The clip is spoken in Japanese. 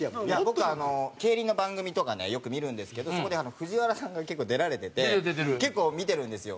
僕競輪の番組とかねよく見るんですけどそこにＦＵＪＩＷＡＲＡさんが結構出られてて結構見てるんですよ。